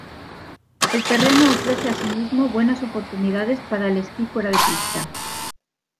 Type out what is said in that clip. El terreno ofrece asimismo buenas oportunidades para el esquí fuera de pista.